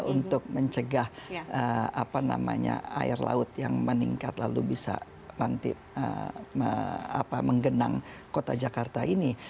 untuk mencegah apa namanya air laut yang meningkat lalu bisa menggenang kota jakarta ini